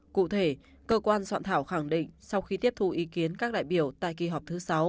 cụ thể cơ quan soạn thảo khẳng định sau khi tiếp thu ý kiến các đại biểu tại kỳ họp thứ sáu